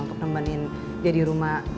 untuk nemenin dia di rumah